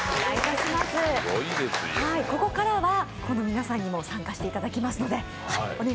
ここからは皆さんにも参加していただきますので。